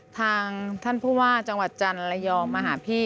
ทางท่านผู้ว่าจังหวัดจันทร์ระยองมาหาพี่